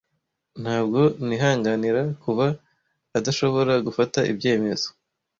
Ntabwo nihanganira kuba adashobora gufata ibyemezo.